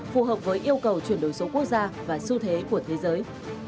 phù hợp với yêu cầu chuyển đổi số quốc gia và xu thế của thế giới